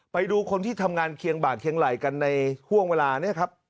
ไปดูคนที่ทำงานเคียงบ่าเคียงไหล่กันในห่วงเวลานี้ครับ